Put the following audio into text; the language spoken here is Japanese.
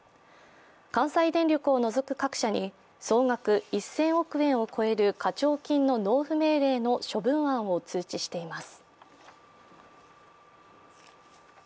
関西電力を除く各社に総額１０００億円を超える課徴金の納付命令の処分案を通知しています。